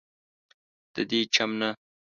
ددې چم نه